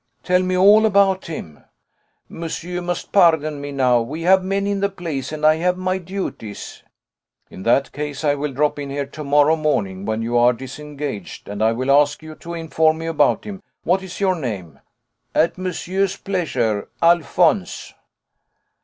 "Tell me all about him." "Monsieur must pardon me now. We have many in the place, and I have my duties." "In that case I will drop in here to morrow morning when you are disengaged, and I will ask you to inform me about him. What is your name?" "At monsieur's pleasure Alphonse."